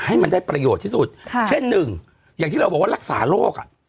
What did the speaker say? ให้มันได้ประโยชน์ที่สุดค่ะเช่นหนึ่งอย่างที่เราบอกว่ารักษาโรคอ่ะ